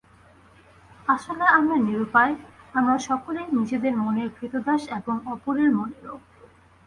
আসলে আমরা নিরুপায়! আমরা সকলেই নিজেদের মনের ক্রীতদাস এবং অপরের মনেরও।